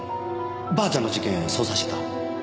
ばあちゃんの事件捜査してた。